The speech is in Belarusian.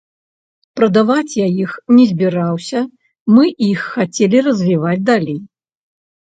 Прадаваць я іх не збіраўся, мы іх хацелі развіваць далей.